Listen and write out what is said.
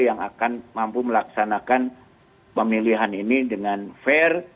yang akan mampu melaksanakan pemilihan ini dengan fair